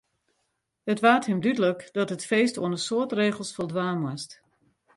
It waard him dúdlik dat it feest oan in soad regels foldwaan moast.